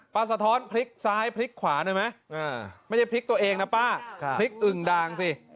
สะท้อนพลิกซ้ายพลิกขวาได้ไหมไม่ได้พลิกตัวเองนะป้าพลิกอึ่งด่างสิ